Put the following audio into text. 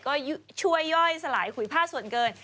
ก็ช่วยย่อยสลายขุยผ้าส่วนเกิน